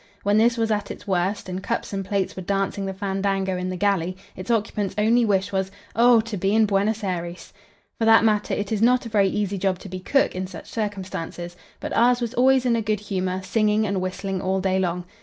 When this was at its worst, and cups and plates were dancing the fandango in the galley, its occupant's only wish was, "Oh, to be in Buenos Aires!" For that matter, it is not a very easy job to be cook in such circumstances, but ours was always in a good humour, singing and whistling all day long.